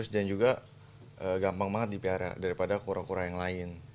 dan juga gampang banget dipihak daripada kura kura yang lain